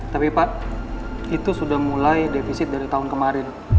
tapi pak itu sudah mulai defisit dari tahun kemarin